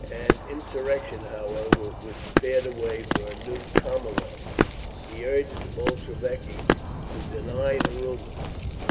An insurrection, however, would prepare the way for a new Kornilov. He urged the Bolsheviki to deny the rumours.